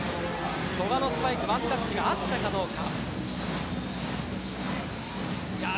古賀のスパイクにワンタッチがあったかどうか。